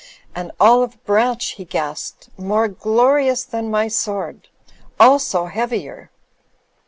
"An olive branch," he gasped, "more glorious than my sword. Also heavier."